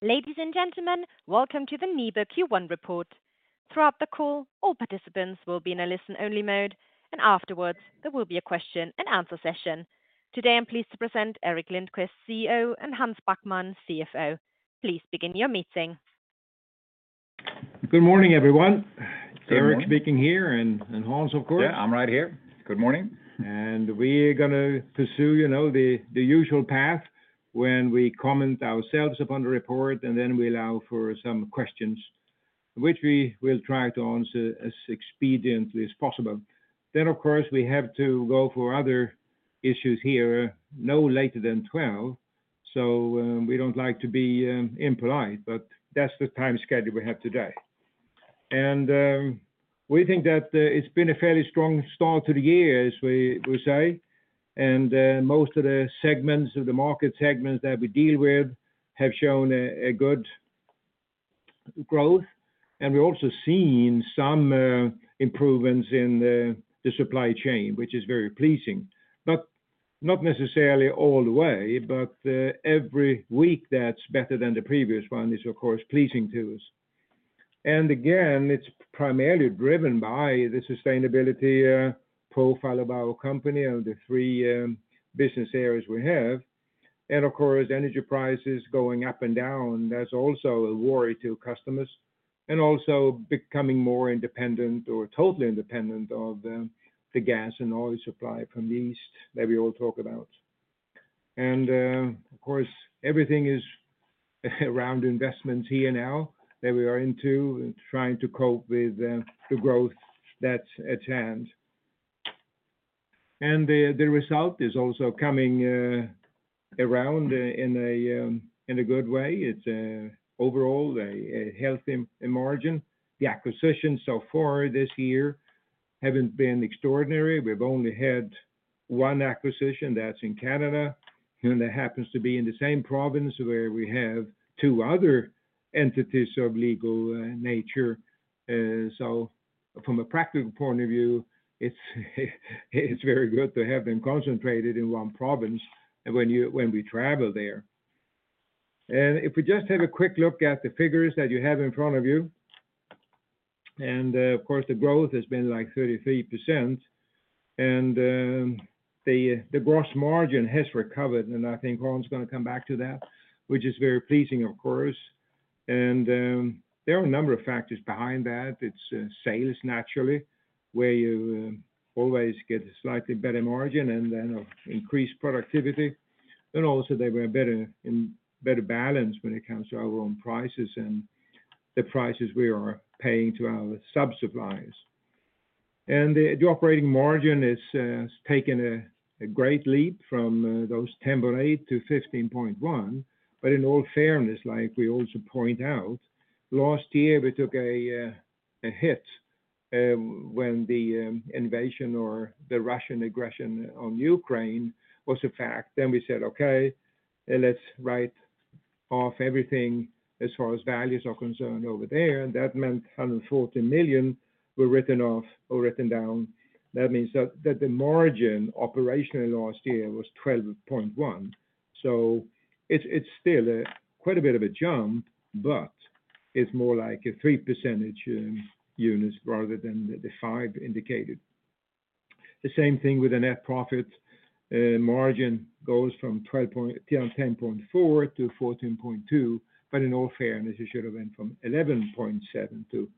Ladies and gentlemen, welcome to the NIBE Q1 report. Throughout the call, all participants will be in a listen-only mode. Afterwards, there will be a question-and-answer session. Today, I'm pleased to present Gerterik Lindquist, CEO, and Hans Backman, CFO. Please begin your meeting. Good morning, everyone. Good morning. Erik speaking here and Hans, of course. Yeah, I'm right here. Good morning. We're gonna pursue, you know, the usual path when we comment ourselves upon the report, and then we allow for some questions, which we will try to answer as expediently as possible. Of course, we have to go for other issues here no later than 12. We don't like to be impolite, but that's the time schedule we have today. We think that it's been a fairly strong start to the year, as we say. Most of the segments or the market segments that we deal with have shown a good growth. We're also seeing some improvements in the supply chain, which is very pleasing. Not necessarily all the way, but every week that's better than the previous one is, of course, pleasing to us. Again, it's primarily driven by the sustainability profile of our company and the three business areas we have. Of course, energy prices going up and down, that's also a worry to customers, and also becoming more independent or totally independent of the gas and oil supply from the east that we all talk about. Of course, everything is around investments here now that we are into trying to cope with the growth that's at hand. The result is also coming around in a good way. It's overall a healthy margin. The acquisitions so far this year haven't been extraordinary. We've only had one acquisition that's in Canada, and that happens to be in the same province where we have two other entities of legal nature. From a practical point of view, it's very good to have them concentrated in one province when we travel there. If we just have a quick look at the figures that you have in front of you, of course, the growth has been, like, 33%. The gross margin has recovered, and I think Hans is gonna come back to that, which is very pleasing, of course. There are a number of factors behind that. It's sales, naturally, where you always get a slightly better margin and then of increased productivity. Also they were better in better balance when it comes to our own prices and the prices we are paying to our sub-suppliers. The operating margin has taken a great leap from those 10.8%-15.1%. In all fairness, like we also point out, last year, we took a hit when the invasion or the Russian aggression on Ukraine was a fact. We said, "Okay, let's write off everything as far as values are concerned over there." That meant 140 million were written off or written down. That means that the margin operationally last year was 12.1%. It's still quite a bit of a jump, but it's more like a three percentage units rather than the five indicated. The same thing with the net profit margin goes from 12... 10.4-14.2, in all fairness, it should have been from 11.7-14.2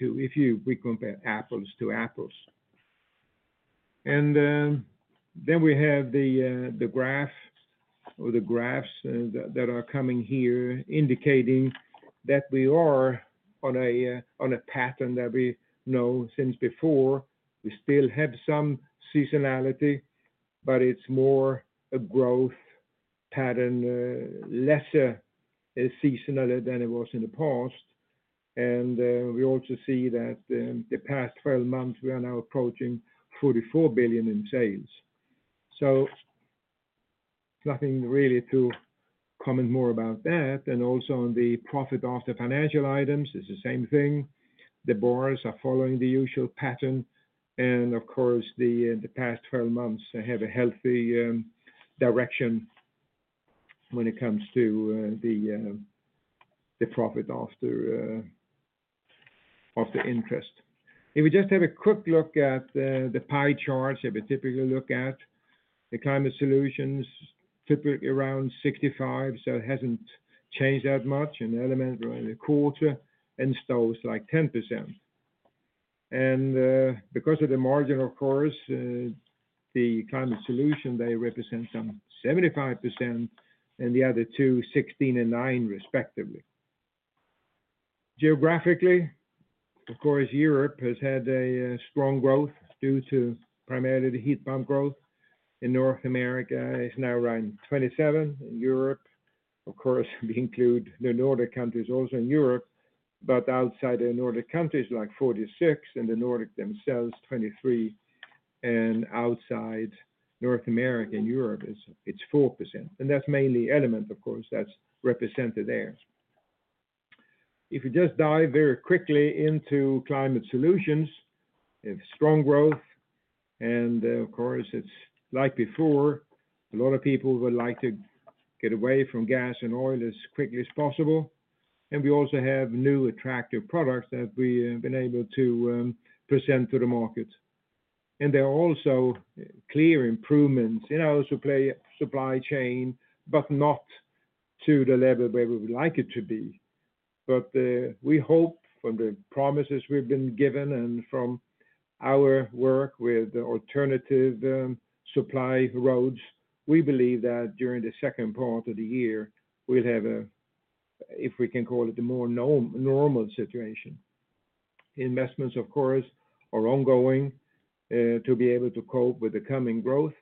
if we compare apples to apples. Then we have the graph or the graphs that are coming here indicating that we are on a pattern that we know since before. We still have some seasonality, but it's more a growth pattern, lesser seasonal than it was in the past. We also see that the past 12 months, we are now approaching 44 billion in sales. Nothing really to comment more about that. Also on the profit after financial items, it's the same thing. The boards are following the usual pattern. Of course, the past 12 months have a healthy direction when it comes to the profit after interest. If we just have a quick look at the pie charts that we typically look at, the climate solutions, typically around 65%, so it hasn't changed that much. Elements are in the quarter, and stoves, like, 10%. Because of the margin, of course, the climate solutions, they represent some 75%, and the other two, 16% and 9% respectively. Geographically, of course, Europe has had a strong growth due to primarily the heat pump growth. In North America, it's now around 27%. In Europe, of course, we include the Nordic countries also in Europe, but outside the Nordic countries, like 46%, and the Nordics themselves, 23%. Outside North America and Europe, it's 4%. That's mainly Element, of course, that's represented there. If you just dive very quickly into Climate Solutions, it's strong growth and, of course, it's like before, a lot of people would like to get away from gas and oil as quickly as possible. We also have new attractive products that we have been able to present to the market. There are also clear improvements in our supply chain, but not to the level where we would like it to be. We hope from the promises we've been given and from our work with alternative supply routes, we believe that during the second part of the year we'll have a, if we can call it a more normal situation. Investments, of course, are ongoing to be able to cope with the coming growth.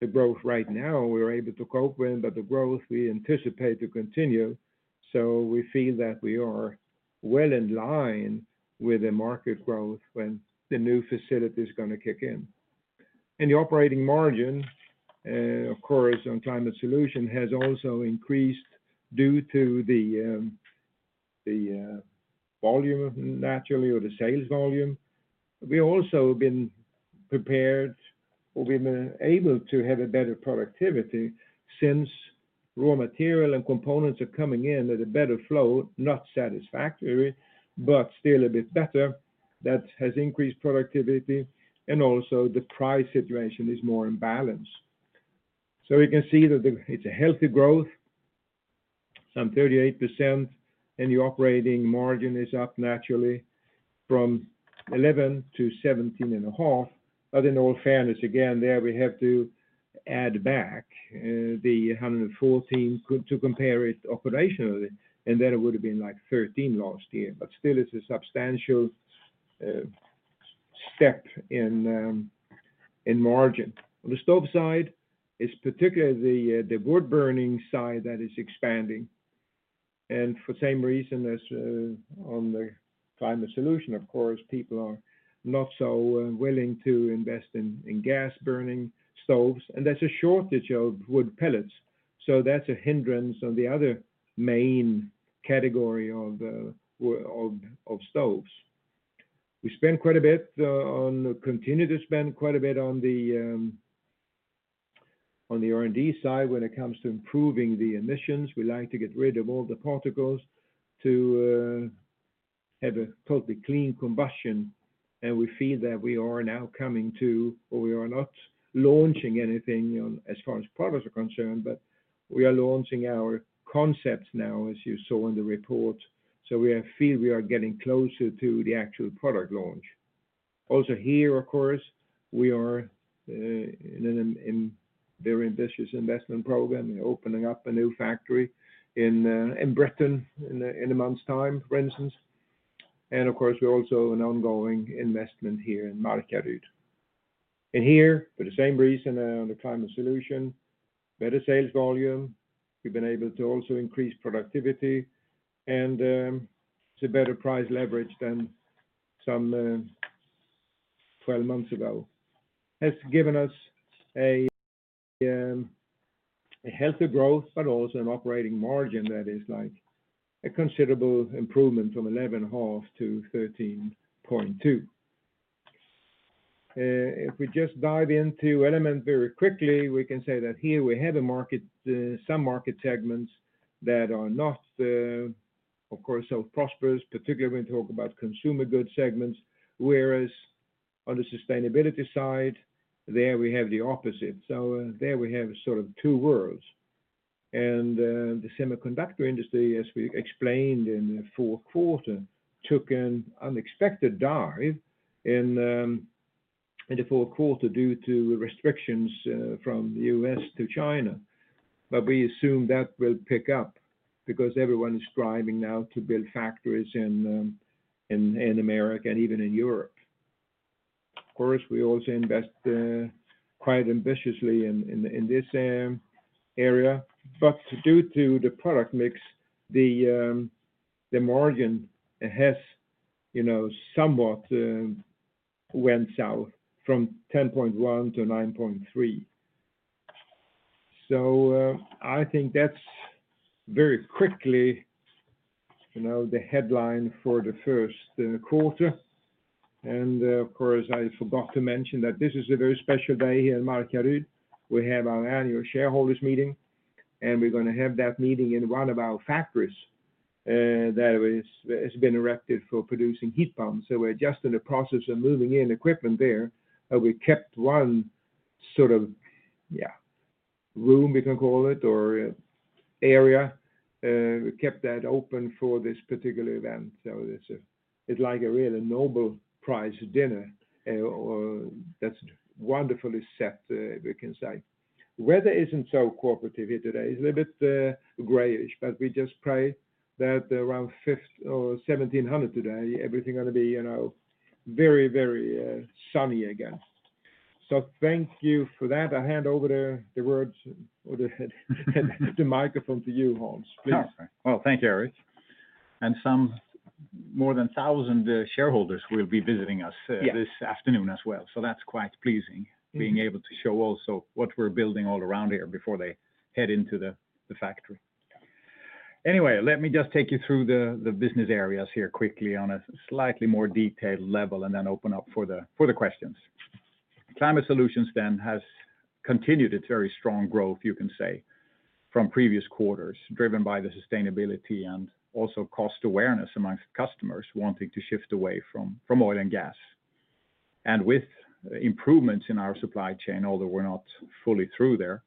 The growth right now we are able to cope with, but the growth we anticipate to continue, so we feel that we are well in line with the market growth when the new facility is gonna kick in. The operating margin, of course, on Climate Solution has also increased due to the volume naturally or the sales volume. We also have been prepared or we've been able to have a better productivity since raw material and components are coming in at a better flow, not satisfactory, but still a bit better. That has increased productivity and also the price situation is more in balance. We can see that it's a healthy growth, some 38%, and the operating margin is up naturally from 11% to 17.5%. In all fairness, again, there we have to add back the 114 to compare it operationally, and then it would have been like 13 last year. Still it's a substantial step in margin. On the stove side, it's particularly the wood burning side that is expanding. For same reason as on the Climate Solution, of course, people are not so willing to invest in gas-burning stoves, and there's a shortage of wood pellets. That's a hindrance on the other main category of stoves. We continue to spend quite a bit on the R&D side when it comes to improving the emissions. We like to get rid of all the particles to have a totally clean combustion. We feel that we are now coming to or we are not launching anything on as far as products are concerned, but we are launching our concepts now, as you saw in the report. We feel we are getting closer to the actual product launch. Also here, of course, we are in a very ambitious investment program, opening up a new factory in Britain in a month's time, for instance. Of course, we're also an ongoing investment here in Markaryd. Here, for the same reason on the Climate Solution, better sales volume, we've been able to also increase productivity and it's a better price leverage than some 12 months ago. Has given us a healthy growth, but also an operating margin that is like a considerable improvement from 11.5%-13.2%. If we just dive into Element very quickly, we can say that here we have a market, some market segments that are not, of course, so prosperous, particularly when you talk about consumer goods segments, whereas on the sustainability side, there we have the opposite. There we have sort of two worlds. The semiconductor industry, as we explained in the fourth quarter, took an unexpected dive in the fourth quarter due to restrictions from U.S. to China. We assume that will pick up because everyone is striving now to build factories in America and even in Europe. Of course, we also invest quite ambitiously in this area. Due to the product mix, the margin has, you know, somewhat, went south from 10.1%-9.3%. I think that's very quickly, you know, the headline for the first quarter. Of course, I forgot to mention that this is a very special day here in Markaryd. We have our annual shareholders meeting, and we're gonna have that meeting in one of our factories that has been erected for producing heat pumps. We're just in the process of moving in equipment there. We kept one sort of, yeah, room we can call it or area, we kept that open for this particular event. It's a, it's like a real Nobel Prize dinner, or that's wonderfully set, we can say. Weather isn't so cooperative here today. It's a little bit grayish, but we just pray that around 5th or 17:00 today, everything gonna be, you know, very, very, sunny again. Thank you for that. I hand over the words or the microphone to you, Hans, please. Okay. Well, thank you, Erik. More than 1,000 shareholders will be visiting us. Yes... this afternoon as well. That's quite pleasing- Mm-hmm... being able to show also what we're building all around here before they head into the factory. Let me just take you through the business areas here quickly on a slightly more detailed level, open up for the questions. Climate Solutions has continued its very strong growth, you can say, from previous quarters, driven by the sustainability and also cost awareness amongst customers wanting to shift away from oil and gas. With improvements in our supply chain, although we're not fully through there,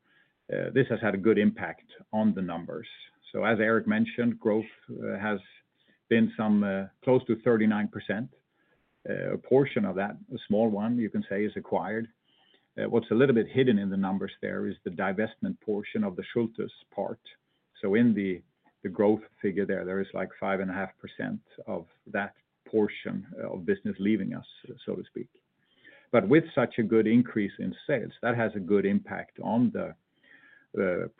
this has had a good impact on the numbers. As Erik mentioned, growth has been close to 39%. A portion of that, a small one you can say, is acquired. What's a little bit hidden in the numbers there is the divestment portion of the Schulthess part. In the growth figure there is like 5.5% of that portion of business leaving us, so to speak. With such a good increase in sales, that has a good impact on the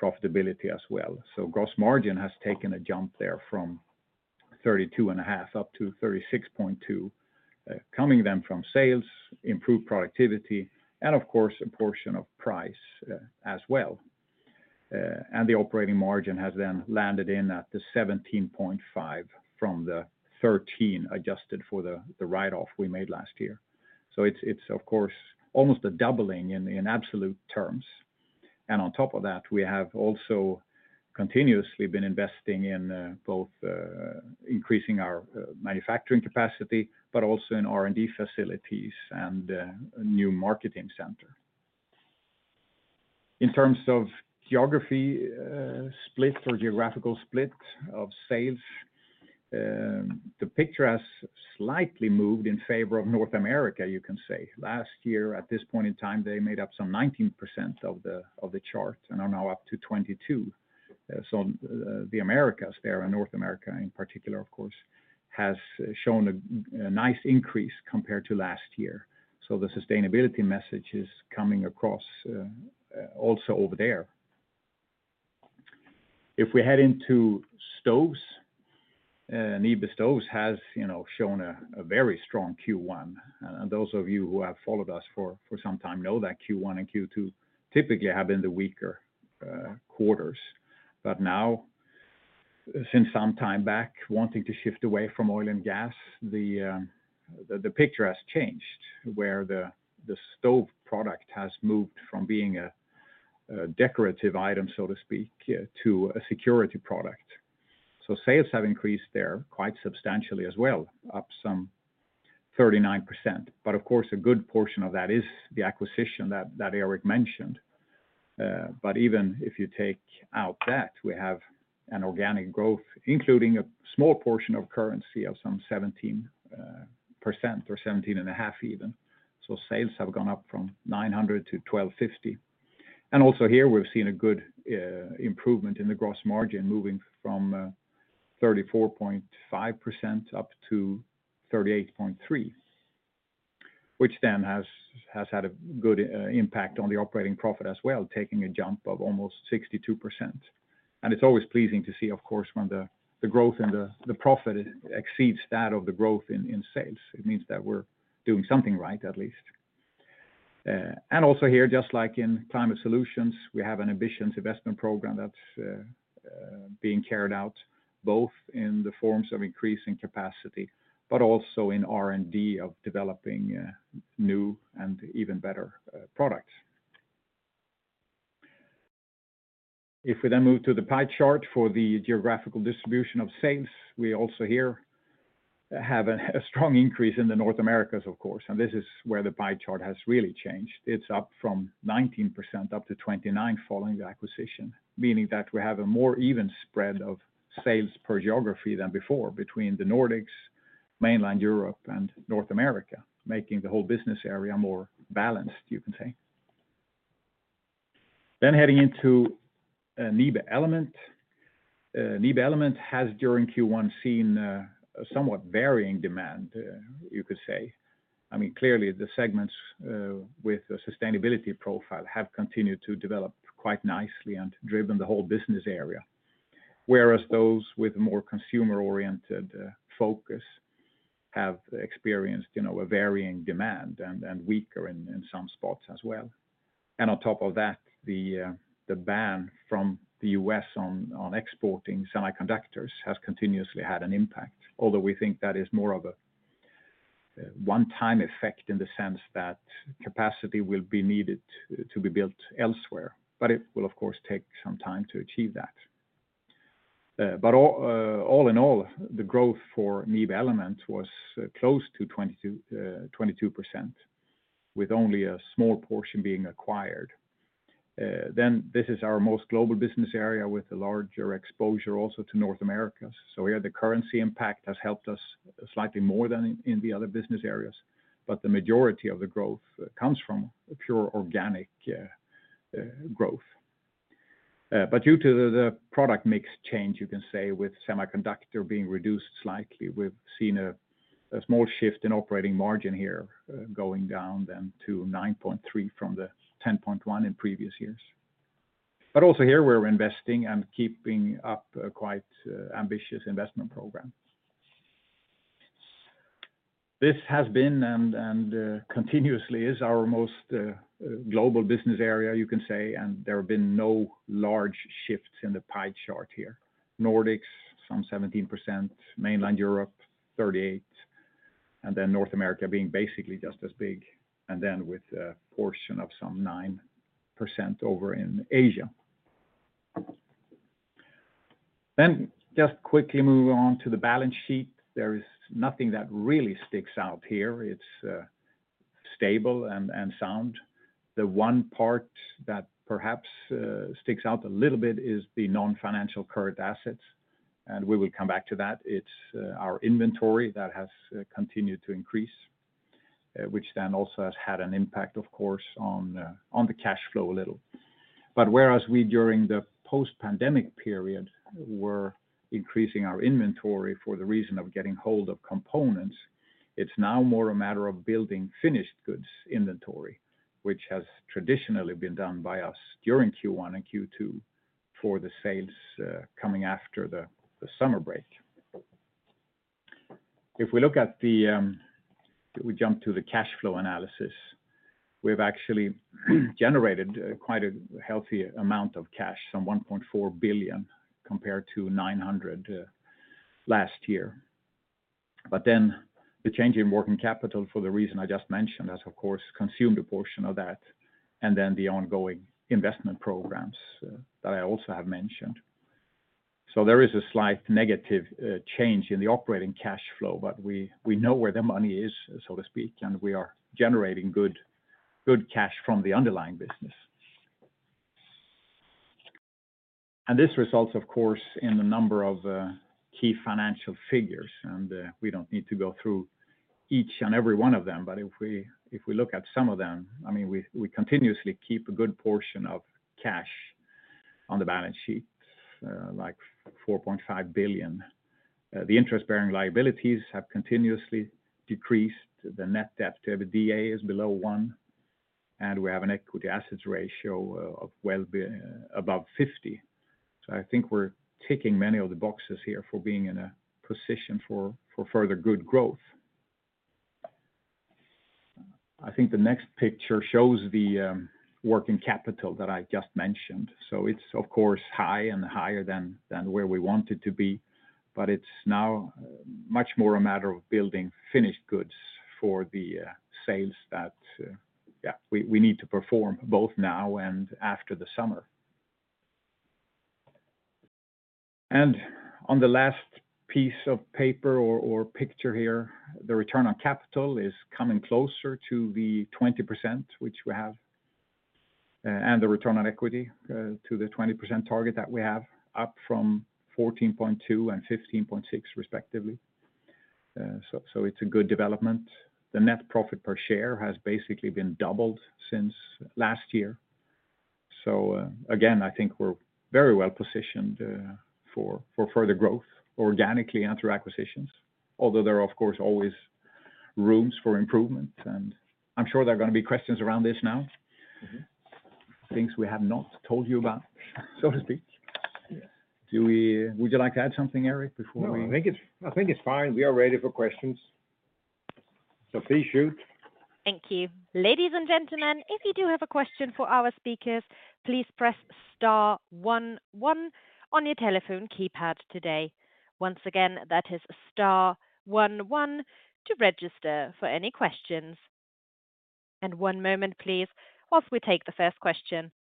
profitability as well. Gross margin has taken a jump there from 32.5% up to 36.2%, coming then from sales, improved productivity, and of course a portion of price as well. The operating margin has then landed in at the 17.5% from the 13% adjusted for the write-off we made last year. It's of course almost a doubling in absolute terms. On top of that, we have also continuously been investing in both increasing our manufacturing capacity, but also in R&D facilities and a new marketing center. In terms of geography, split or geographical split of sales, the picture has slightly moved in favor of North America, you can say. Last year, at this point in time, they made up some 19% of the, of the chart and are now up to 22%. The Americas there, and North America in particular of course, has shown a nice increase compared to last year. The sustainability message is coming across also over there. If we head into stoves, NIBE Stoves has, you know, shown a very strong Q1. Those of you who have followed us for some time know that Q1 and Q2 typically have been the weaker quarters. Now, since some time back, wanting to shift away from oil and gas, the picture has changed, where the stove product has moved from being a decorative item, so to speak, to a security product. Sales have increased there quite substantially as well, up some 39%. Of course, a good portion of that is the acquisition that Erik mentioned. Even if you take out that, we have an organic growth, including a small portion of currency of some 17% or 17.5% even. Sales have gone up from 900-1,250. Also here, we've seen a good improvement in the gross margin, moving from 34.5% up to 38.3%, which then has had a good impact on the operating profit as well, taking a jump of almost 62%. It's always pleasing to see, of course, when the growth in the profit exceeds that of the growth in sales. It means that we're doing something right, at least. Also here, just like in Climate Solutions, we have an ambitious investment program that's being carried out, both in the forms of increasing capacity, but also in R&D of developing new and even better products. We then move to the pie chart for the geographical distribution of sales, we also here have a strong increase in the North Americas, of course. This is where the pie chart has really changed. It's up from 19% up to 29% following the acquisition, meaning that we have a more even spread of sales per geography than before between the Nordics, mainland Europe, and North America, making the whole business area more balanced, you can say. Heading into NIBE Element. NIBE Element has, during Q1, seen a somewhat varying demand, you could say. I mean, clearly the segments with a sustainability profile have continued to develop quite nicely and driven the whole business area. Whereas those with more consumer-oriented focus have experienced, you know, a varying demand and weaker in some spots as well. On top of that, the ban from the U.S. on exporting semiconductors has continuously had an impact, although we think that is more of a one-time effect in the sense that capacity will be needed to be built elsewhere. It will of course take some time to achieve that. All in all, the growth for NIBE Element was close to 22%, with only a small portion being acquired. This is our most global business area with a larger exposure also to North Americas. Here, the currency impact has helped us slightly more than in the other business areas, the majority of the growth comes from a pure organic growth. Due to the product mix change, you can say, with semiconductor being reduced slightly, we've seen a small shift in operating margin here, going down then to 9.3 from the 10.1 in previous years. Also here we're investing and keeping up a quite ambitious investment program. This has been and continuously is our most global business area, you can say, and there have been no large shifts in the pie chart here. Nordics, some 17%, Mainland Europe, 38%, North America being basically just as big, with a portion of some 9% over in Asia. Just quickly move on to the balance sheet. There is nothing that really sticks out here. It's stable and sound. The one part that perhaps sticks out a little bit is the non-financial current assets. We will come back to that. It's our inventory that has continued to increase, which then also has had an impact, of course, on the cash flow a little. Whereas we during the post-pandemic period were increasing our inventory for the reason of getting hold of components, it's now more a matter of building finished goods inventory, which has traditionally been done by us during Q1 and Q2 for the sales coming after the summer break. If we look at the cash flow analysis, we've actually generated quite a healthy amount of cash, some 1.4 billion compared to 900 million last year. The change in working capital for the reason I just mentioned has, of course, consumed a portion of that, and then the ongoing investment programs that I also have mentioned. There is a slight negative change in the operating cash flow, but we know where the money is, so to speak, and we are generating good cash from the underlying business. This results, of course, in a number of key financial figures, and we don't need to go through each and every one of them. If we look at some of them, I mean, we continuously keep a good portion of cash on the balance sheets, like 4.5 billion. The interest-bearing liabilities have continuously decreased. The net debt to EBITDA is below one, and we have an equity assets ratio of well above 50. I think we're ticking many of the boxes here for being in a position for further good growth. I think the next picture shows the working capital that I just mentioned. It's of course, high and higher than where we want it to be, but it's now much more a matter of building finished goods for the sales that we need to perform both now and after the summer. On the last piece of paper or picture here, the return on capital is coming closer to the 20%, which we have, and the return on equity, to the 20% target that we have, up from 14.2 and 15.6, respectively. It's a good development. The net profit per share has basically been doubled since last year. Again, I think we're very well-positioned for further growth organically and through acquisitions. Although there are, of course, always rooms for improvement, and I'm sure there are going to be questions around this now. Mm-hmm. Things we have not told you about- Yeah. To speak. Yeah. Would you like to add something, Erik? No, I think it's, I think it's fine. We are ready for questions, so please shoot. Thank you. Ladies and gentlemen, if you do have a question for our speakers, please press star one one on your telephone keypad today. Once again, that is star 11 to register for any questions. One moment, please, whilst we take the first question.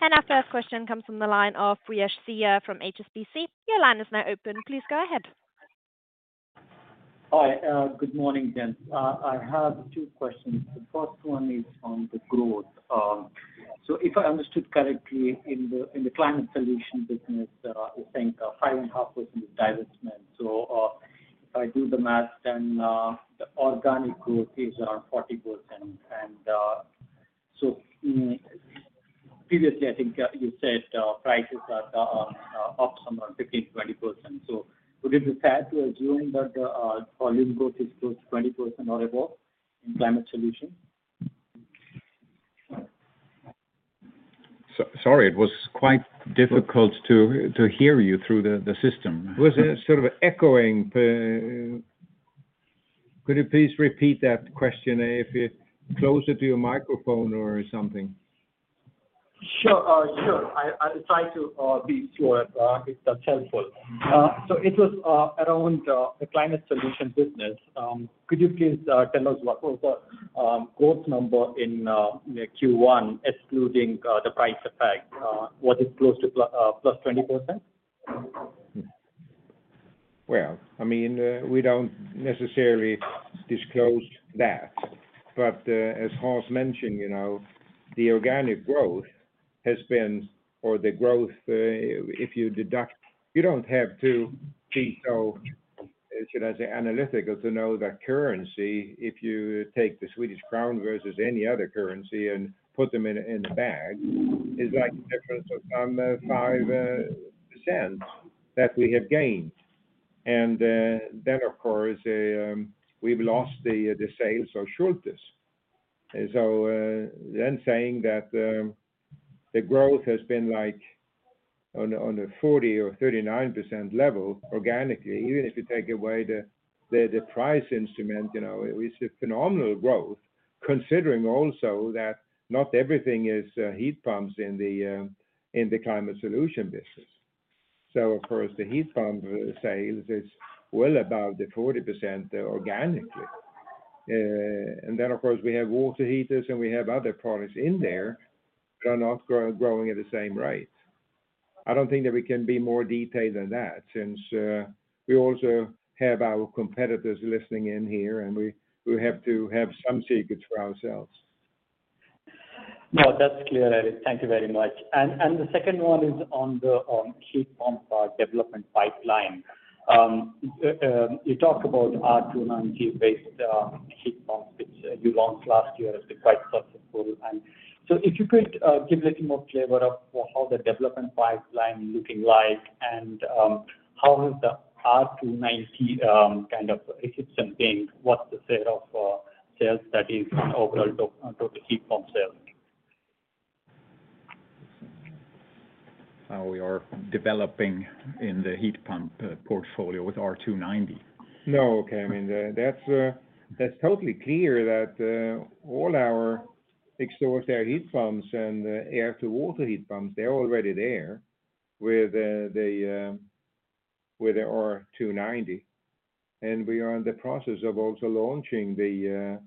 Our first question comes from the line of Rashi Wadhwa from HSBC. Your line is now open. Please go ahead. Hi. Good morning, gents. I have two questions. The first one is on the growth. If I understood correctly in the NIBE Climate Solutions business, I think a 5.5% divestment. If I do the math, the organic growth is around 40%. Previously, I think you said prices are up somewhere between 20%. Would it be fair to assume that the volume growth is close to 20% or above in NIBE Climate Solutions? sorry, it was quite difficult to hear you through the system. It was sort of echoing. Could you please repeat that question if you're closer to your microphone or something? Sure. Sure. I'll try to be sure if that's helpful. It was around the Climate Solutions business. Could you please tell us what was the growth number in Q1 excluding the price effect? Was it close to plus 20%? Well, I mean, we don't necessarily disclose that. As Hans mentioned, you know, the organic growth has been or the growth, if you deduct. You don't have to be so, should I say, analytical to know that currency, if you take the Swedish crown versus any other currency and put them in a bag, is like a difference of some 0.05 that we have gained. Then, of course, we've lost the sales of Schulthess. Then saying that the growth has been like on a 40% or 39% level organically, even if you take away the price instrument, you know, it's a phenomenal growth. Considering also that not everything is heat pumps in the Climate Solutions business. Of course, the heat pump sales is well above the 40% organically. Of course, we have water heaters, and we have other products in there that are not growing at the same rate. I don't think that we can be more detailed than that since, we also have our competitors listening in here, and we have to have some secrets for ourselves. No, that's clear, Erik. Thank you very much. The second one is on the heat pump development pipeline. You talked about R290-based heat pumps, which you launched last year has been quite successful. If you could give a little more flavor of how the development pipeline looking like and how is the R290 kind of adoption being, what's the state of sales that is overall to the heat pump sales? How we are developing in the heat pump, portfolio with R290. No. Okay. I mean, that's totally clear that all our exhaust air heat pumps and air to water heat pumps, they're already there with the, with the R290. We are in the process of also launching the,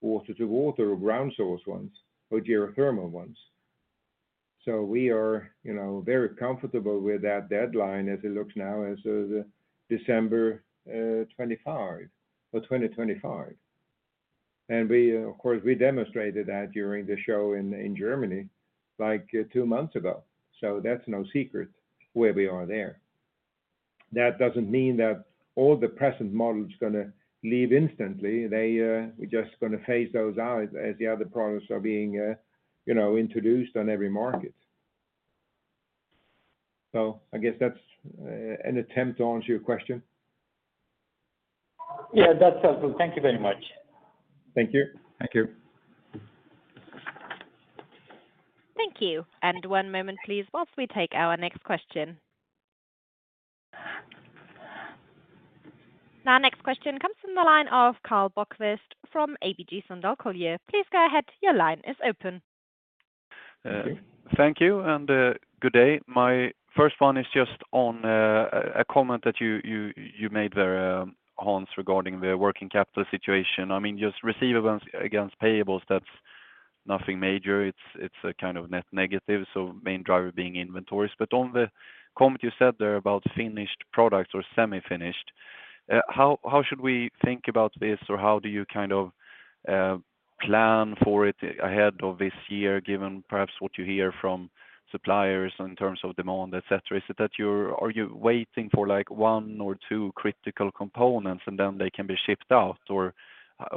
water to water ground source ones or geothermal ones. We are, you know, very comfortable with that deadline as it looks now, as of December 25 or 2025. We of course, we demonstrated that during the show in Germany like two months ago. That's no secret where we are there. That doesn't mean that all the present models gonna leave instantly. We're just gonna phase those out as the other products are being, you know, introduced on every market. I guess that's, an attempt to answer your question. Yeah, that's helpful. Thank you very much. Thank you. Thank you. Thank you. One moment please while we take our next question. Our next question comes from the line of Karl Bokvist from ABG Sundal Collier. Please go ahead. Your line is open. Thank you. Good day. My first one is just on a comment that you made there, Hans, regarding the working capital situation. I mean, just receivables against payables, that's nothing major. It's a kind of net negative, so main driver being inventories. On the comment you said there about finished products or semi-finished, how should we think about this? How do you kind of plan for it ahead of this year, given perhaps what you hear from suppliers in terms of demand, et cetera? Is it that? Are you waiting for like one or two critical components and then they can be shipped out?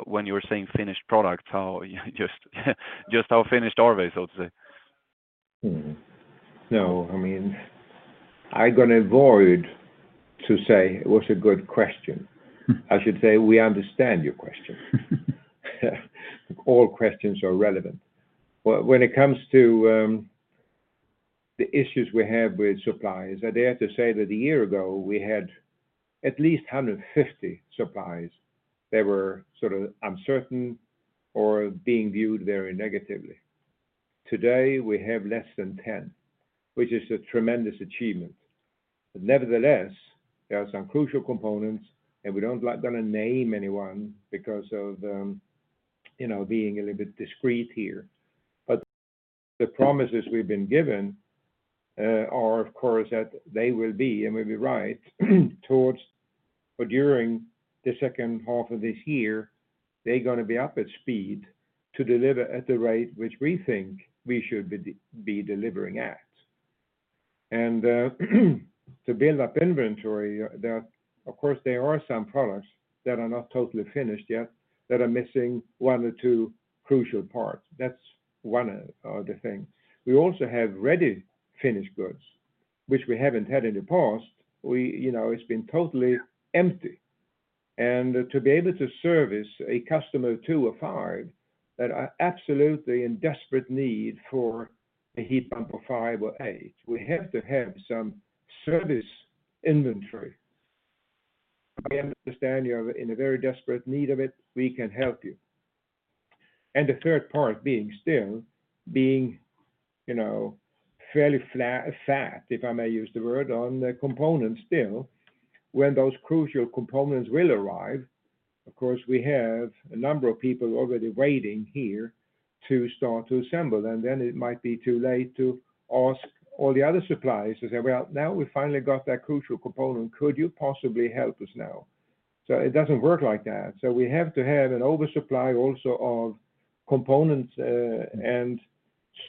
When you're saying finished products, how just how finished are they, so to say? No. I mean, I gotta avoid to say it was a good question. I should say we understand your question. All questions are relevant. When it comes to the issues we have with suppliers, I dare to say that a year ago we had at least 150 suppliers that were sort of uncertain or being viewed very negatively. Today we have less than 10, which is a tremendous achievement. Nevertheless, there are some crucial components, and we don't like gonna name anyone because of, you know, being a little bit discreet here. The promises we've been given are of course, that they will be, and we'll be right, towards or during the second half of this year, they're gonna be up at speed to deliver at the rate which we think we should be delivering at. To build up inventory, there are, of course, there are some products that are not totally finished yet, that are missing one or two crucial parts. That's one of the things. We also have ready finished goods, which we haven't had in the past. We, you know, it's been totally empty. To be able to service a customer or two or five that are absolutely in desperate need for a heat pump or five or eight, we have to have some service inventory. We understand you're in a very desperate need of it, we can help you. The third part being still being, you know, fairly fat, if I may use the word, on the components still. When those crucial components will arrive, of course, we have a number of people already waiting here to start to assemble. It might be too late to ask all the other suppliers to say, "Well, now we finally got that crucial component. Could you possibly help us now?" It doesn't work like that. We have to have an oversupply also of components and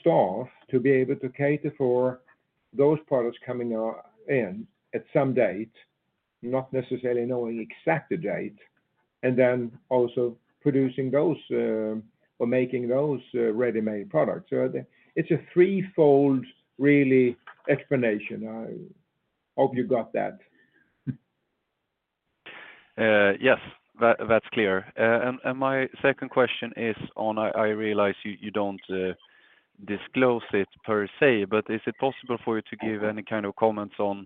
staff to be able to cater for those products coming in at some date. Not necessarily knowing exactly date, also producing those or making those ready-made products. It's a three-fold really explanation. I hope you got that. Yes, that's clear. My second question, I realize you don't disclose it per se, but is it possible for you to give any kind of comments on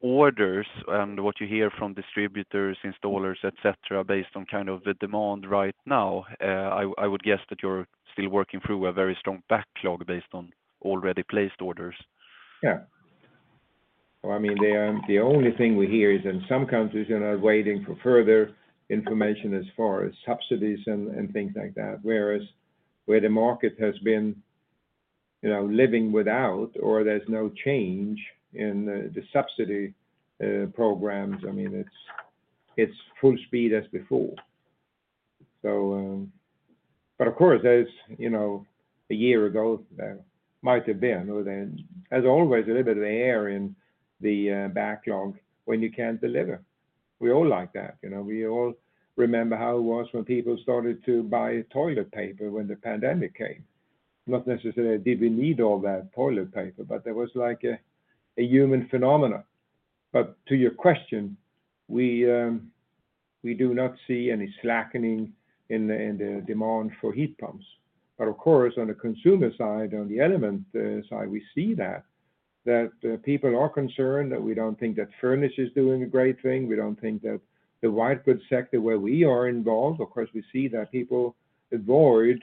orders and what you hear from distributors, installers, etc., based on kind of the demand right now? I would guess that you're still working through a very strong backlog based on already placed orders. Yeah. I mean, the only thing we hear is in some countries, they are waiting for further information as far as subsidies and things like that. Whereas where the market has been, you know, living without or there's no change in the subsidy programs, I mean, it's full speed as before. Of course, as you know, a year ago, there might have been, or there's always a little bit of air in the backlog when you can't deliver. We all like that. You know, we all remember how it was when people started to buy toilet paper when the pandemic came. Not necessarily did we need all that toilet paper, but there was like a human phenomena. To your question, we do not see any slackening in the, in the demand for heat pumps. Of course, on the consumer side, on the element side, we see that people are concerned, that we don't think that furnish is doing a great thing. We don't think that the white good sector where we are involved. Of course, we see that people avoid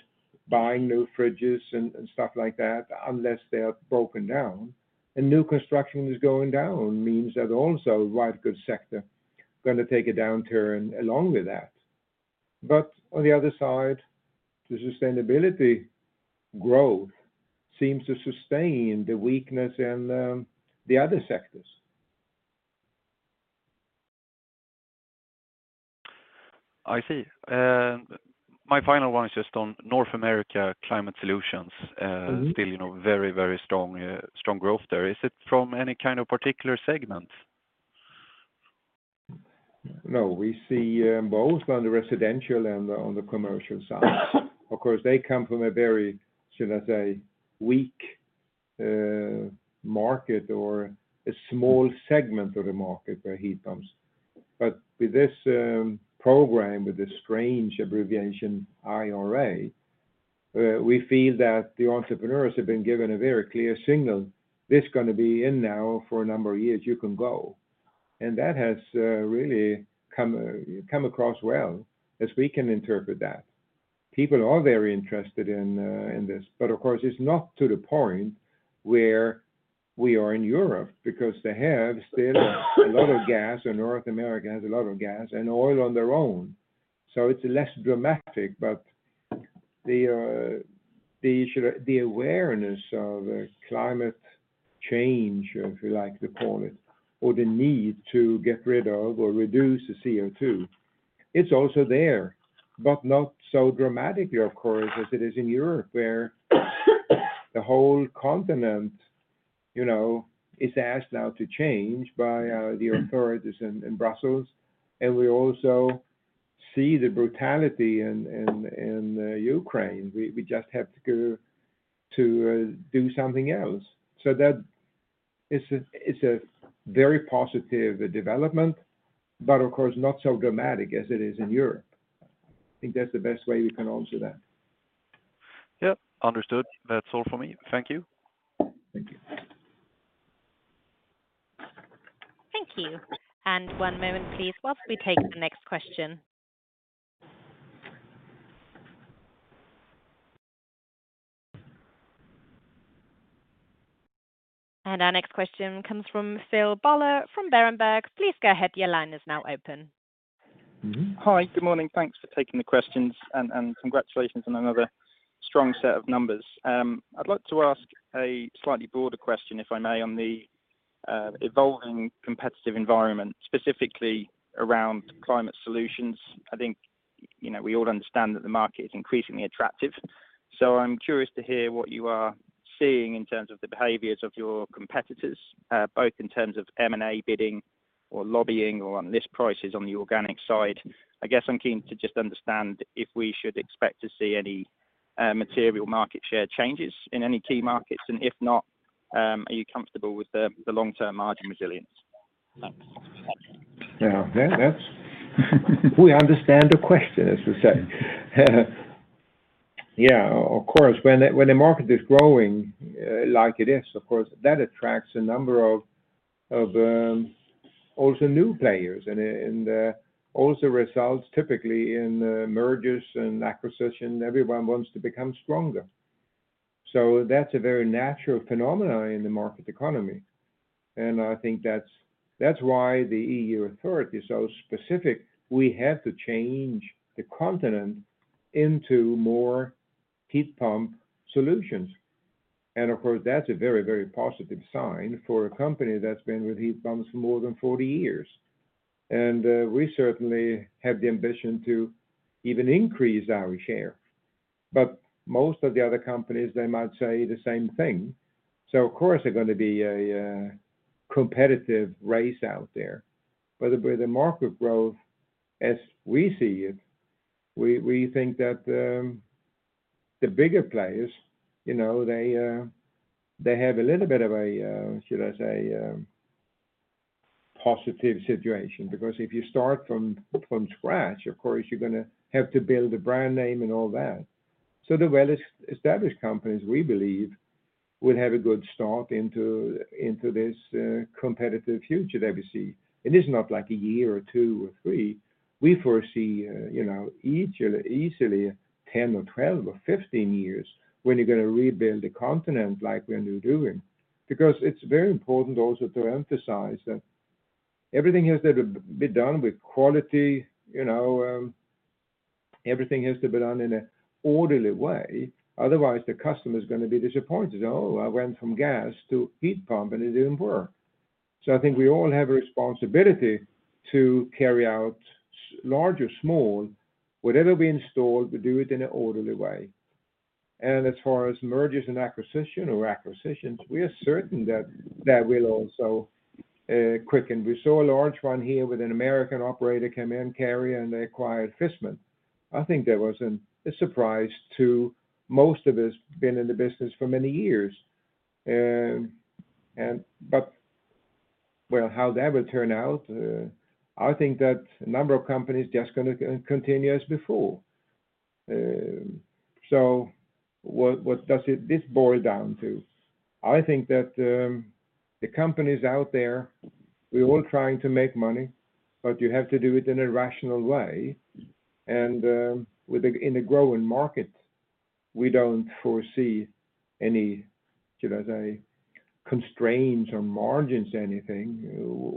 buying new fridges and stuff like that unless they are broken down. New construction is going down means that also white good sector gonna take a downturn along with that. On the other side, the sustainability growth seems to sustain the weakness in the other sectors. I see. My final one is just on North America Climate Solutions. Mm-hmm. Still, you know, very strong growth there. Is it from any kind of particular segment? No, we see both on the residential and on the commercial side. Of course, they come from a very, should I say, weak market or a small segment of the market for heat pumps. With this program, with this strange abbreviation, IRA, we feel that the entrepreneurs have been given a very clear signal. This is gonna be in now for a number of years, you can go. That has really come across well as we can interpret that. People are very interested in this. Of course, it's not to the point where we are in Europe because they have still a lot of gas, and North America has a lot of gas and oil on their own. It's less dramatic. The, the awareness of climate change, if you like to call it, or the need to get rid of or reduce the CO2, it's also there, but not so dramatically, of course, as it is in Europe, where the whole continent, you know, is asked now to change by the authorities in Brussels. We also see the brutality in Ukraine. We just have to do something else. That is a, it's a very positive development, but of course, not so dramatic as it is in Europe. I think that's the best way we can answer that. Yeah, understood. That's all for me. Thank you. Thank you. Thank you. One moment, please, whilst we take the next question. Our next question comes from Philip Buller from Berenberg. Please go ahead. Your line is now open. Mm-hmm. Hi. Good morning. Thanks for taking the questions and congratulations on another strong set of numbers. I'd like to ask a slightly broader question, if I may, on the evolving competitive environment, specifically around climate solutions. I think, you know, we all understand that the market is increasingly attractive. I'm curious to hear what you are seeing in terms of the behaviors of your competitors, both in terms of M&A bidding or lobbying or on list prices on the organic side. I guess I'm keen to just understand if we should expect to see any material market share changes in any key markets. If not, are you comfortable with the long-term margin resilience? Thanks. Yeah, that's we understand the question, as we say. Of course, when the market is growing, like it is, of course, that attracts a number of also new players, and also results typically in mergers and acquisition. Everyone wants to become stronger. That's a very natural phenomena in the market economy. I think that's why the EU authority is so specific. We have to change the continent into more heat pump solutions. Of course, that's a very, very positive sign for a company that's been with heat pumps for more than 40 years. We certainly have the ambition to even increase our share. But most of the other companies, they might say the same thing. Of course, they're gonna be a competitive race out there. The market growth, as we see it, we think that the bigger players, you know, they have a little bit of a, should I say, positive situation. If you start from scratch, of course, you're gonna have to build a brand name and all that. The well-established companies, we believe, will have a good start into this competitive future that we see. It is not like a year or two or three. We foresee, you know, easily 10 or 12 or 15 years when you're gonna rebuild the continent like when we're doing. It's very important also to emphasize that everything has to be done with quality, you know. Everything has to be done in a orderly way, otherwise the customer is gonna be disappointed. I went from gas to heat pump, it didn't work. I think we all have a responsibility to carry out large or small, whatever we installed, we do it in an orderly way. As far as mergers and acquisitions, we are certain that that will also quicken. We saw a large one here with an American operator come in, Carrier, and they acquired Viessmann. I think that was a surprise to most of us been in the business for many years. Well, how that will turn out, I think that a number of companies just gonna continue as before. What does this boil down to? I think that the companies out there, we're all trying to make money, but you have to do it in a rational way. In a growing market, we don't foresee any, should I say, constraints or margins anything.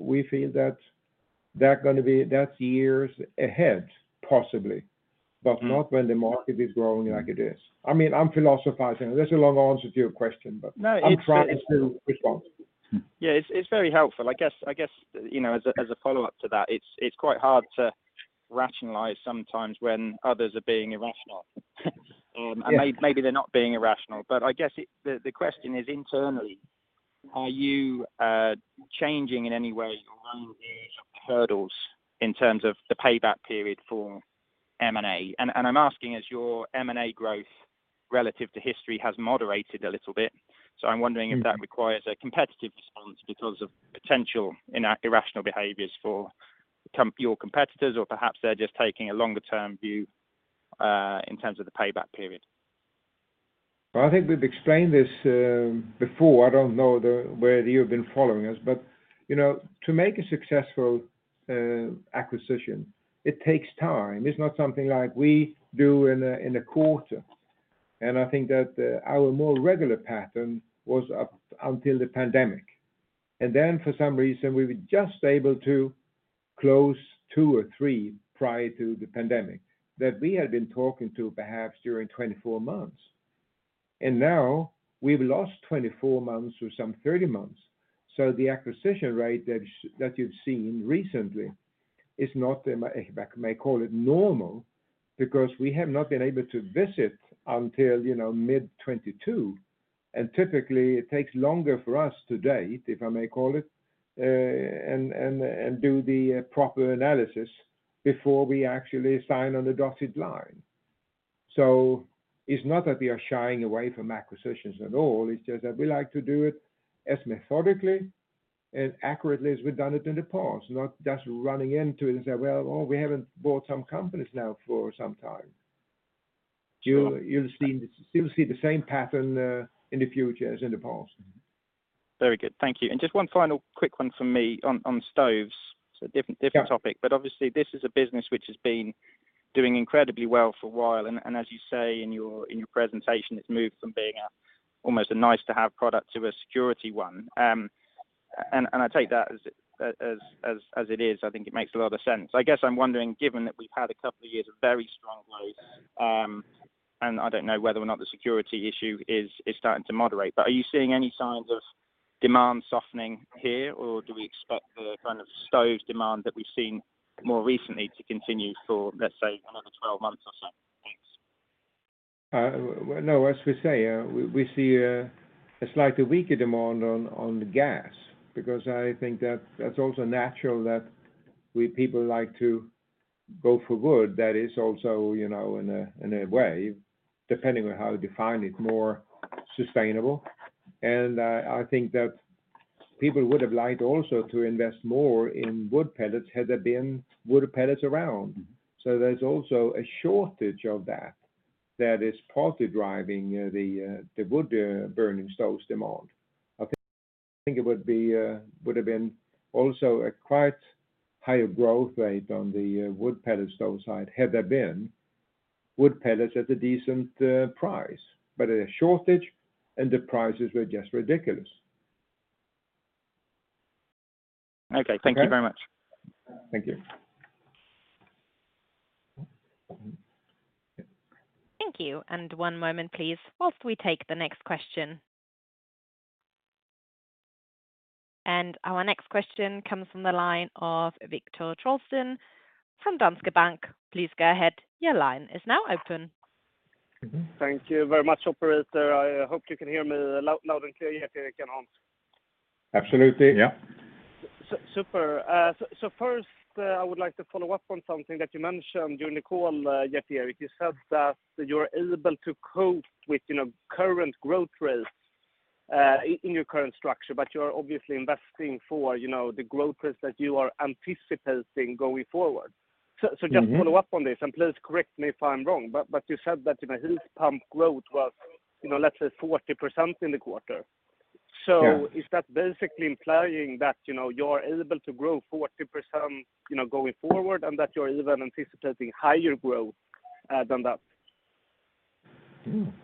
We feel that they're gonna be... That's years ahead, possibly, but not when the market is growing like it is. I mean, I'm philosophizing. That's a long answer to your question. No. I'm trying to be responsible. Yeah. It's very helpful. I guess, you know, as a follow-up to that, it's quite hard to rationalize sometimes when others are being irrational. maybe they're not being irrational, but I guess the question is, internally, are you changing in any way your own hurdles in terms of the payback period for M&A? I'm asking as your M&A growth relative to history has moderated a little bit. I'm wondering if that requires a competitive response because of potential irrational behaviors for your competitors or perhaps they're just taking a longer term view in terms of the payback period. Well, I think we've explained this before. I don't know whether you've been following us. You know, to make a successful acquisition, it takes time. It's not something like we do in a, in a quarter. I think that our more regular pattern was up until the pandemic. For some reason, we were just able to close two or three prior to the pandemic that we had been talking to perhaps during 24 months. Now, we've lost 24 months or some 30 months. The acquisition rate that you've seen recently is not, if I, if I may call it, normal because we have not been able to visit until, you know, mid-2022. Typically, it takes longer for us to date, if I may call it, and do the proper analysis before we actually sign on the dotted line. It's not that we are shying away from acquisitions at all, it's just that we like to do it as methodically and accurately as we've done it in the past, not just running into it and say, "Well, oh, we haven't bought some companies now for some time." You'll see the same pattern in the future as in the past. Very good. Thank you. Just one final quick one from me on stoves, so different topic. Obviously this is a business which has been doing incredibly well for a while. As you say in your, in your presentation, it's moved from being almost a nice-to-have product to a security one. I take that as it is. I think it makes a lot of sense. I guess I'm wondering, given that we've had a couple of years of very strong growth, and I don't know whether or not the security issue is starting to moderate. Are you seeing any signs of demand softening here, or do we expect the kind of stoves demand that we've seen more recently to continue for, let's say, another 12 months or so? Thanks. No. As we say, we see a slightly weaker demand on the gas because I think that that's also natural that people like to go for wood that is also, you know, in a way, depending on how you define it, more sustainable. I think that people would have liked also to invest more in wood pellets had there been wood pellets around. There's also a shortage of that is partly driving the wood burning stoves demand. I think it would have been also a quite higher growth rate on the wood pellet stove side had there been wood pellets at a decent price. But a shortage and the prices were just ridiculous. Okay. Thank you very much. Thank you. Thank you. One moment please while we take the next question. Our next question comes from the line of Viktor Trollsten from Danske Bank. Please go ahead. Your line is now open. Thank you very much, operator. I hope you can hear me loud and clear, Gert-Erik and Hans. Absolutely, yeah. Super. So first, I would like to follow up on something that you mentioned during the call, Gert-Erik. You said that you're able to cope with, you know, current growth rates, in your current structure, but you're obviously investing for, you know, the growth rates that you are anticipating going forward. Mm-hmm ... so just follow up on this, and please correct me if I'm wrong, but you said that, you know, heat pump growth was, you know, let's say 40% in the quarter. Yeah. Is that basically implying that, you know, you're able to grow 40%, you know, going forward, and that you're even anticipating higher growth than that?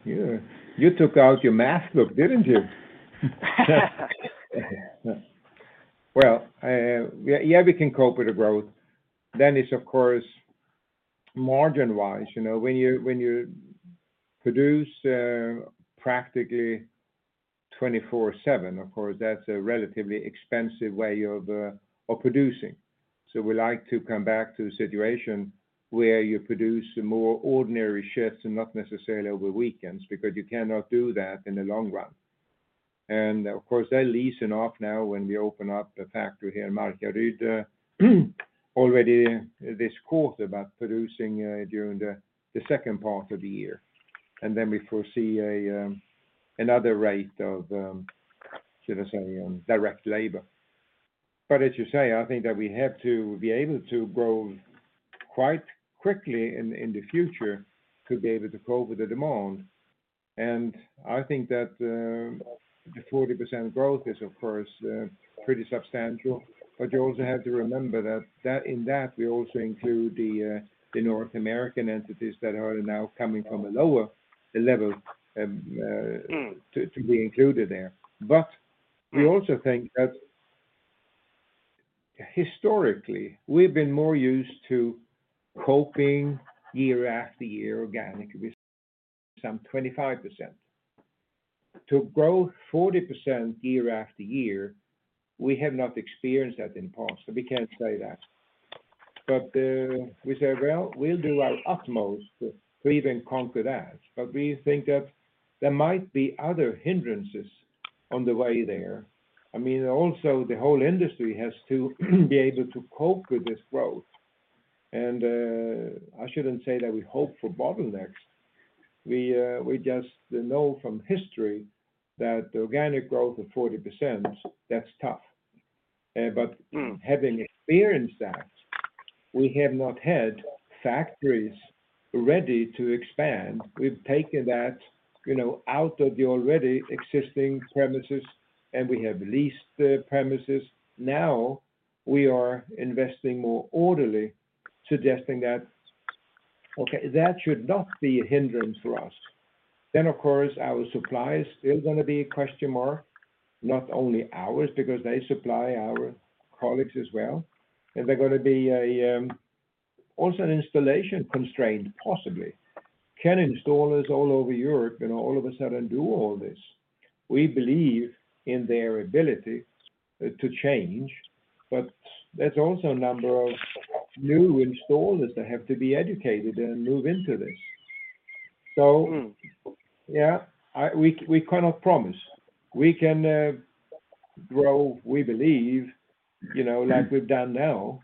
Yeah. You took out your math book, didn't you? Well, yeah, we can cope with the growth. It's of course, margin-wise, you know, when you're, when you produce practically 24/7, of course, that's a relatively expensive way of producing. We like to come back to a situation where you produce more ordinary shifts and not necessarily over weekends because you cannot do that in the long run. Of course, that'll ease enough now when we open up the factory here in Markaryd already this quarter, but producing during the second part of the year. Then we foresee a another rate of should I say direct labor. As you say, I think that we have to be able to grow quite quickly in the future to be able to cope with the demand. I think that, the 40% growth is of course, pretty substantial. You also have to remember that in that we also include the North American entities that are now coming from a lower level. Mm... to be included there. We also think that historically, we've been more used to coping year after year organic with some 25%. To grow 40% year after year, we have not experienced that in the past, so we can't say that. We say, well, we'll do our utmost to even conquer that. We think that there might be other hindrances on the way there. I mean, also the whole industry has to be able to cope with this growth. I shouldn't say that we hope for bottlenecks. We just know from history that organic growth of 40%, that's tough. Mm... having experienced that, we have not had factories ready to expand. We've taken that, you know, out of the already existing premises. We have leased the premises. We are investing more orderly, suggesting that, okay, that should not be a hindrance for us. Of course, our suppliers still gonna be a question mark, not only ours, because they supply our colleagues as well. Is there gonna be an installation constraint, possibly? Can installers all over Europe, you know, all of a sudden do all this? We believe in their ability to change, but there's also a number of new installers that have to be educated and move into this. Mm. Yeah, we cannot promise. We can grow, we believe, you know, like we've done now.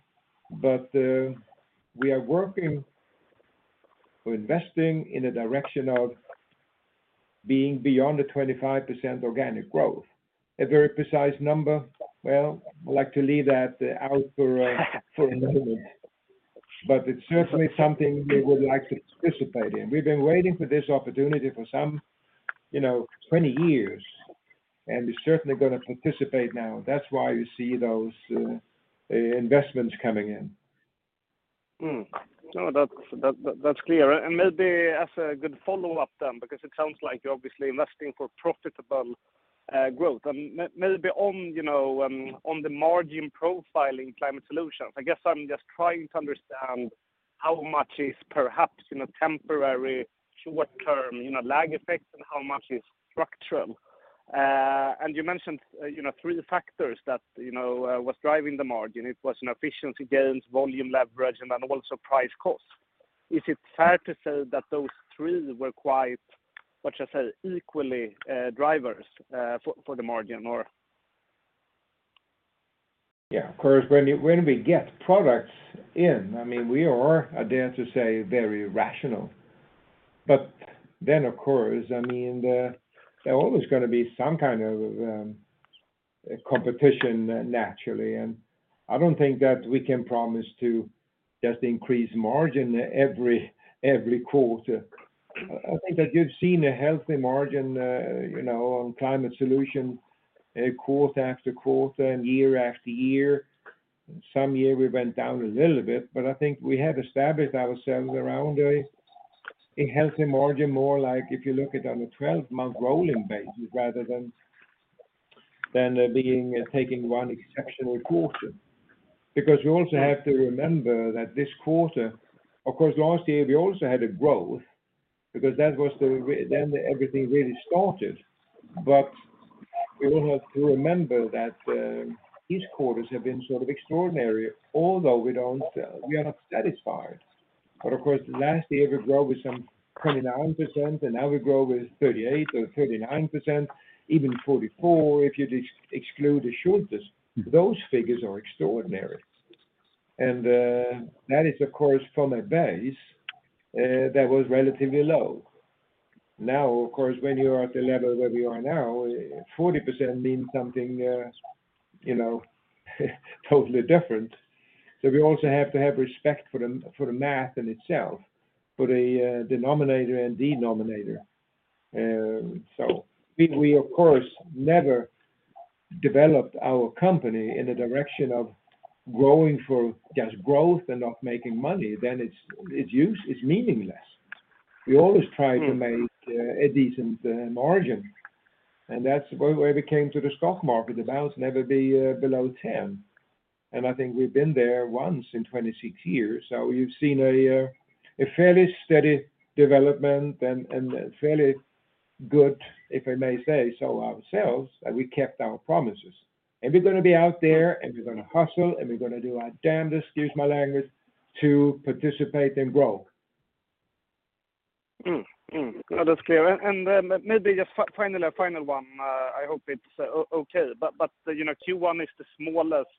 We are working for investing in a direction of being beyond the 25% organic growth. A very precise number, well, I'd like to leave that out for a moment. It's certainly something we would like to participate in. We've been waiting for this opportunity for some, you know, 20 years, and we're certainly gonna participate now. That's why you see those investments coming in. No, that's clear. Maybe as a good follow-up then, because it sounds like you're obviously investing for profitable growth. Maybe on, you know, on the margin profiling Climate Solutions, I guess I'm just trying to understand how much is perhaps, you know, temporary short-term, you know, lag effects and how much is structural. You mentioned, you know, three factors that, you know, was driving the margin. It was an efficiency gains, volume leverage, and then also price cost. Is it fair to say that those three were quite, what should I say, equally drivers for the margin or? Of course, when we get products in, I mean, we are, I dare to say, very rational. Of course, I mean, there always gonna be some kind of competition naturally. I don't think that we can promise to just increase margin every quarter. I think that you've seen a healthy margin, you know, on NIBE Climate Solutions, quarter-after-quarter and year-after-year. Some year we went down a little bit, but I think we have established ourselves around a healthy margin, more like if you look at on a 12-month rolling basis rather than being, taking one exceptional quarter. You also have to remember that this quarter, of course, last year we also had a growth because that was then everything really started. We all have to remember that these quarters have been sort of extraordinary, although we don't, we are not satisfied. Of course, last year we grow with some 29%, and now we grow with 38% or 39%, even 44%, if you exclude the Schulthess. Those figures are extraordinary. That is of course from a base that was relatively low. Of course, when you are at the level where we are now, 40% means something, you know, totally different. We also have to have respect for the, for the math in itself, for the, denominator and denominator. We of course, never developed our company in the direction of growing for just growth and not making money, then it's use is meaningless. We always try to make a decent margin, that's why we came to the stock market. The balance never be below 10, and I think we've been there once in 26 years. You've seen a fairly steady development and fairly good, if I may say so ourselves, that we kept our promises. We're gonna be out there, and we're gonna hustle, and we're gonna do our damnedest, excuse my language, to participate and grow. No, that's clear. Then maybe just finally, a final one. I hope it's okay. You know, Q1 is the smallest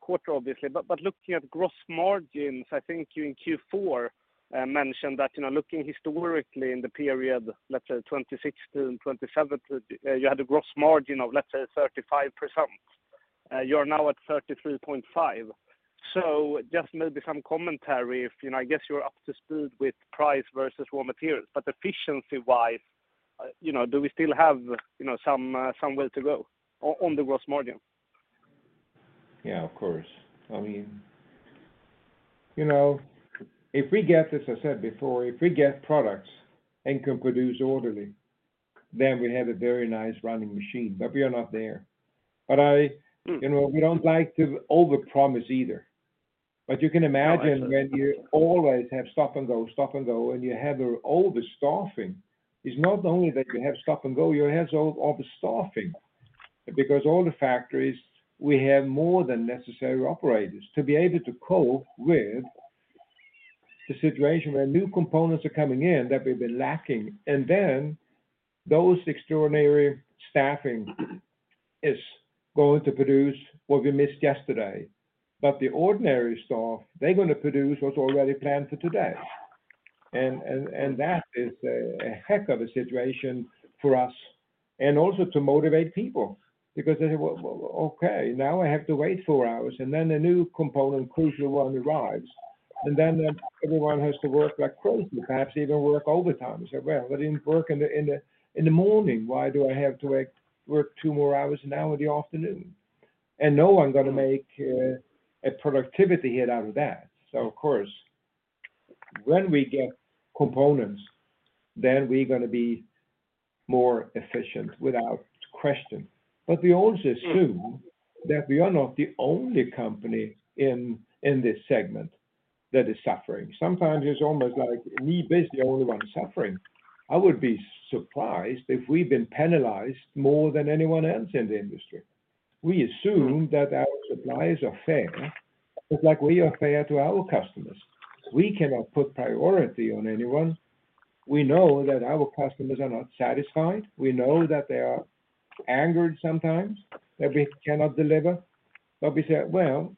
quarter, obviously. Looking at gross margins, I think you in Q4 mentioned that, you know, looking historically in the period, let's say 2016, 2017, you had a gross margin of, let's say 35%. You're now at 33.5%. Just maybe some commentary if, you know, I guess you're up to speed with price versus raw materials, but efficiency-wise, you know, do we still have, you know, some way to go on the gross margin? Yeah, of course. I mean, you know, if we get, as I said before, if we get products and can produce orderly, then we have a very nice running machine. We are not there. I, you know, we don't like to overpromise either. You can imagine when you always have stop and go, stop and go, and you have all the staffing, it's not only that you have stop and go, you have all the staffing. All the factories, we have more than necessary operators to be able to cope with the situation where new components are coming in that we've been lacking. Those extraordinary staffing is going to produce what we missed yesterday. The ordinary staff, they're gonna produce what's already planned for today. That is a heck of a situation for us and also to motivate people because they say, "Well, okay, now I have to wait four hours," and then the new component, crucial one, arrives. Then everyone has to work like crazy, perhaps even work overtime and say, "Well, I didn't work in the morning. Why do I have to work two more hours now in the afternoon?" No one gonna make a productivity hit out of that. Of course, when we get components, then we're gonna be more efficient without question. We also assume that we are not the only company in this segment that is suffering. Sometimes it's almost like we be the only one suffering. I would be surprised if we've been penalized more than anyone else in the industry. We assume that our suppliers are fair, just like we are fair to our customers. We cannot put priority on anyone. We know that our customers are not satisfied. We know that they are angered sometimes that we cannot deliver. We say, "Well,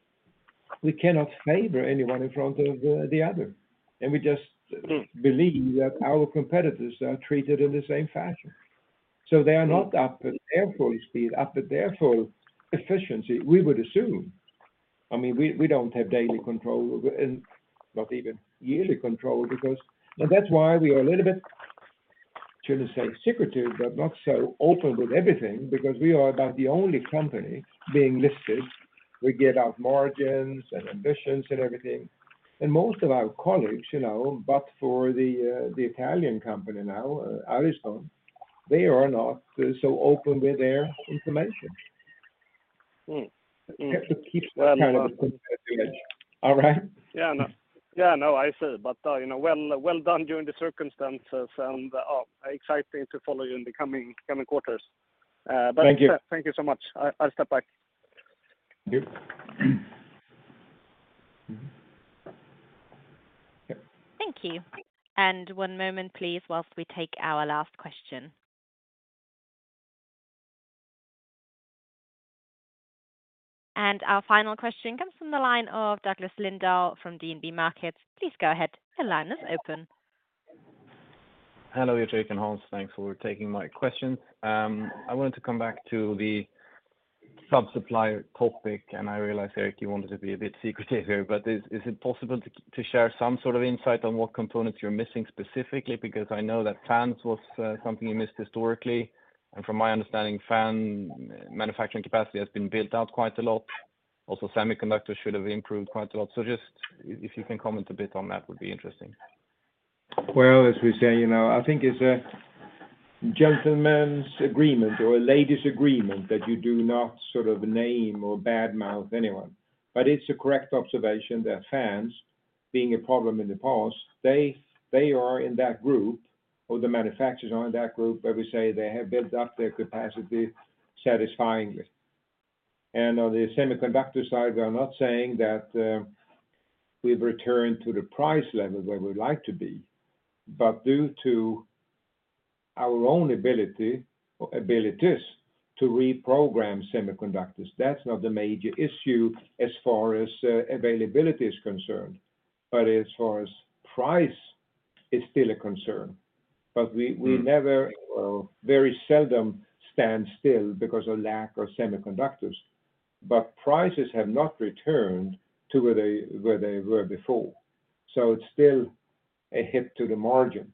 we cannot favor anyone in front of the other." We just believe that our competitors are treated in the same fashion. They are not up at their full speed, up at their full efficiency, we would assume. I mean, we don't have daily control and not even yearly control because... That's why we are a little bit, shouldn't say secretive, but not so open with everything because we are about the only company being listed. We give out margins and ambitions and everything. Most of our colleagues, you know, but for the Italian company now, Ariston, they are not so open with their information. Mm. Mm. We have to keep that kind of a competitive edge. All right? Yeah. No. Yeah. No, I see. You know, well, well done during the circumstances and exciting to follow you in the coming quarters. Thank you. Thank you so much. I'll step back. Thank you. Yeah. Thank you. One moment, please, whilst we take our last question. Our final question comes from the line of Douglas Lindahl from DNB Markets. Please go ahead. The line is open. Hello, Erik and Hans. Thanks for taking my question. I wanted to come back to the sub-supplier topic, and I realize, Erik, you wanted to be a bit secretive here. Is it possible to share some sort of insight on what components you're missing specifically? I know that fans was something you missed historically, and from my understanding, fan manufacturing capacity has been built out quite a lot. Semiconductors should have improved quite a lot. Just if you can comment a bit on that would be interesting. Well, as we say, you know, I think it's a gentleman's agreement or a lady's agreement that you do not sort of name or badmouth anyone. It's a correct observation that fans being a problem in the past, they are in that group or the manufacturers are in that group where we say they have built up their capacity satisfyingly. On the semiconductor side, we are not saying that we've returned to the price level where we'd like to be. Due to our own ability or abilities to reprogram semiconductors, that's not the major issue as far as availability is concerned. As far as price, it's still a concern. Mm. We never very seldom stand still because of lack of semiconductors. Prices have not returned to where they were before, so it's still a hit to the margin.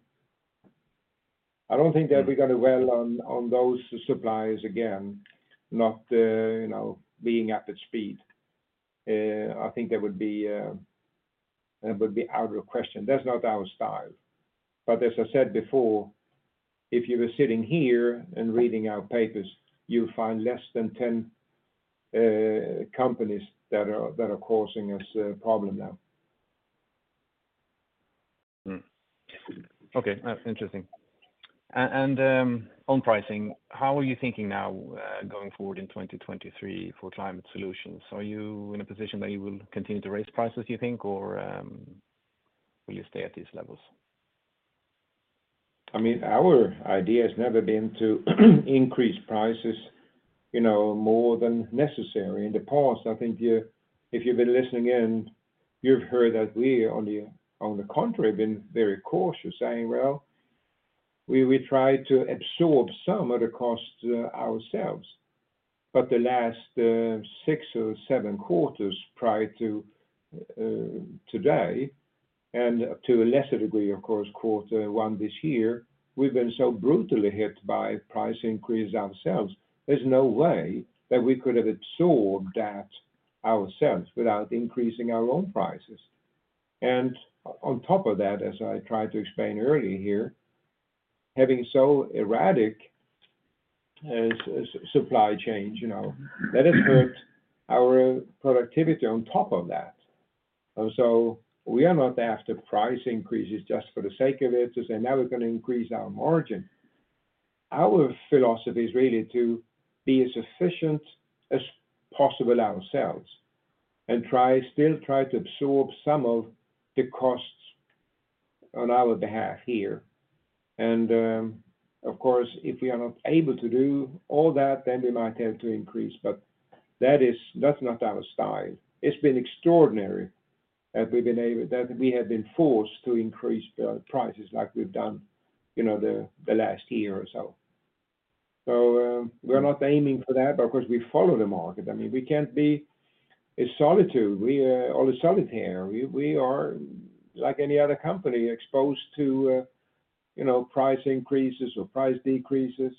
I don't think that we're gonna dwell on those suppliers again, not, you know, being up at speed. I think that would be that would be out of question. That's not our style. As I said before, if you were sitting here and reading our papers, you'll find less than 10 companies that are causing us a problem now. Hmm. Okay. Interesting. On pricing, how are you thinking now, going forward in 2023 for Climate Solutions? Are you in a position that you will continue to raise prices, you think, or, will you stay at these levels? I mean, our idea has never been to increase prices, you know, more than necessary. In the past, I think you if you've been listening in, you've heard that we on the contrary have been very cautious, saying, well, we try to absorb some of the costs ourselves. The last six or seven quarters prior to today and to a lesser degree, of course, first quarter this year, we've been so brutally hit by price increase ourselves. There's no way that we could have absorbed that ourselves without increasing our own prices. On top of that, as I tried to explain earlier here, having so erratic supply chain, you know, that has hurt our productivity on top of that. We are not after price increases just for the sake of it to say, now we're gonna increase our margin. Our philosophy is really to be as efficient as possible ourselves and try, still try to absorb some of the costs on our behalf here. Of course, if we are not able to do all that, then we might have to increase, but that's not our style. It's been extraordinary that we have been forced to increase the prices like we've done, you know, the last year or so. We're not aiming for that. Of course, we follow the market. I mean, we can't be a solitude. We are all solitaire. We are like any other company exposed to, you know, price increases or price decreases.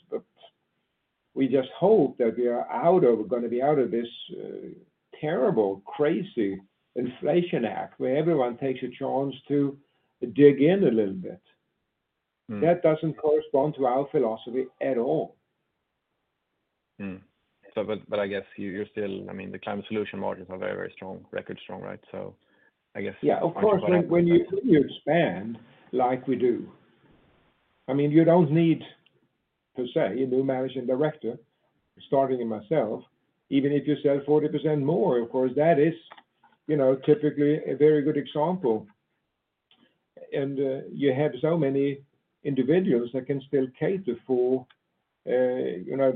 We just hope that we gonna be out of this terrible, crazy Inflation Act where everyone takes a chance to dig in a little bit. Mm. That doesn't correspond to our philosophy at all. I guess you're still. I mean, the NIBE Climate Solutions margins are very strong, record strong, right? I guess. Yeah, of course. When you expand like we do, I mean, you don't need per se a new managing director, starting myself, even if you sell 40% more. Of course, that is, you know, typically a very good example. You have so many individuals that can still cater for, you know,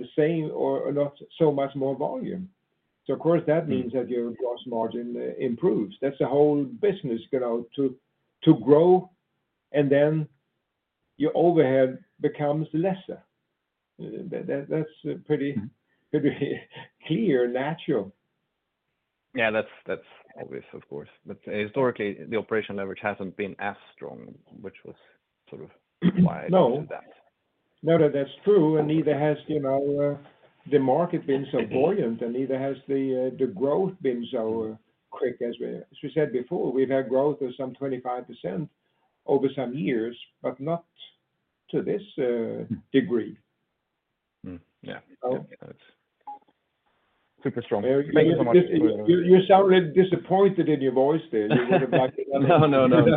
the same or not so much more volume. Of course, that means that your gross margin improves. That's the whole business, you know, to grow, and then your overhead becomes lesser. That's pretty clear, natural. Yeah, that's obvious of course. Historically, the operation leverage hasn't been as strong, which was sort of why I mentioned that. No. No, no, that's true. Neither has, you know, the market been so buoyant and neither has the growth been so quick as we said before, we've had growth of some 25% over some years, but not to this degree. Yeah. Yeah. That's super strong. Thank you so much. You sound a little disappointed in your voice there. No, no. Not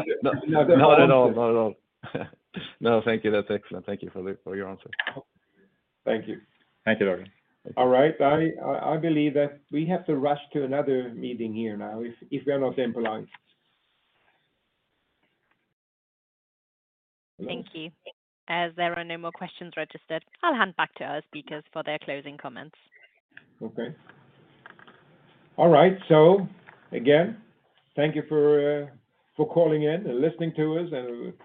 at all. Not at all. No, thank you. That's excellent. Thank you for your answer. Thank you. Thank you, Lindahl. All right. I believe that we have to rush to another meeting here now if we are not temp online. Thank you. As there are no more questions registered, I'll hand back to our speakers for their closing comments. Okay. All right. Again, thank you for calling in and listening to us.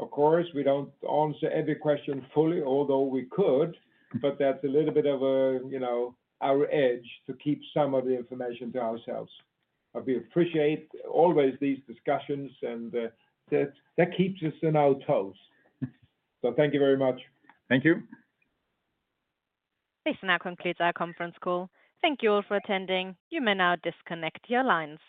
Of course, we don't answer every question fully, although we could, but that's a little bit of a, you know, our edge to keep some of the information to ourselves. We appreciate always these discussions and that keeps us on our toes. Thank you very much. Thank you. This now concludes our conference call. Thank you all for attending. You may now disconnect your lines.